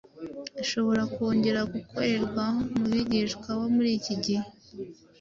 ishobora kongera gukorerwa mu bigishwa bo muri iki gihe.